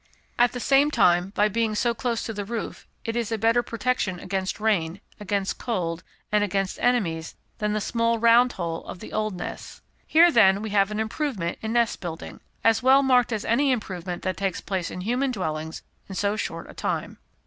At the same time, by being so close to the roof, it is a better protection against rain, against cold, and against enemies, than the small round hole of the old nests. Here, then, we have an improvement in nest building, as well marked as any improvement that takes place in human dwellings in so short a time.